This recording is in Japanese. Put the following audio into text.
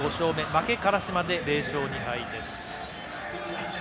負け、辛島で０勝２敗です。